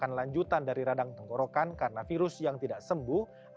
makers la roda hati hati status hidup kan pihak hati sendiri l going to bevet bahwa